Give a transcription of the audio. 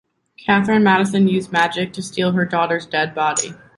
Catherine Madison used magic to steal her daughter's dead body.